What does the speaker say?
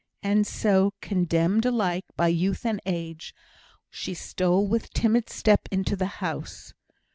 And so, condemned alike by youth and age, she stole with timid step into the house.